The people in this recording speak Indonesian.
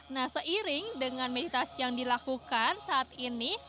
nah seiring dengan meditasi yang dilakukan saat ini